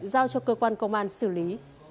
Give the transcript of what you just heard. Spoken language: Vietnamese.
giao cho cơ quan công an xử lý